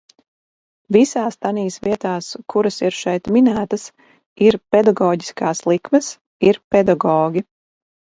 Visās tanīs vietās, kuras ir šeit minētas, ir pedagoģiskās likmes, ir pedagogi.